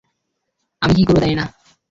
আমি কী করবে জানি না।